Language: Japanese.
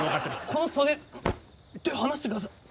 この袖手を放してください。